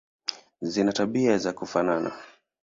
Zina tabia za kufanana.